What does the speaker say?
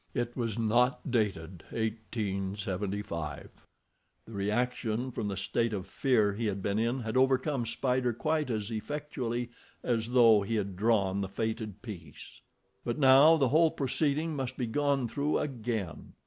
It was not dated 1875. The reaction from the state of fear he had been in had overcome Spider quite as effectually as though he had drawn the fated piece. But now the whole proceeding must be gone through again.